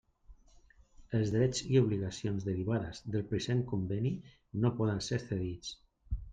Els drets i obligacions derivades del present Conveni no poden ser cedits.